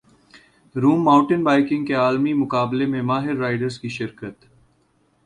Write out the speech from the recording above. روم mountain biking کے عالمی مقابلوں میں ماہر رائیڈرز کی شرکت